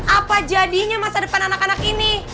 apa jadinya masa depan anak anak ini